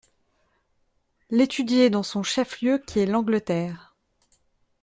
l’étudier dans son chef-lieu qui est l’Angleterre…